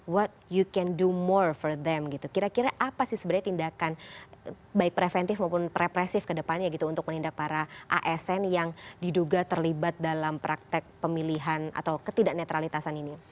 what you can do more for them gitu kira kira apa sih sebenarnya tindakan baik preventif maupun represif ke depannya gitu untuk menindak para asn yang diduga terlibat dalam praktek pemilihan atau ketidak netralitasan ini